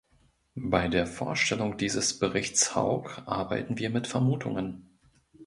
Bei der Vorstellung dieses Berichts Haug arbeiten wir mit Vermutungen.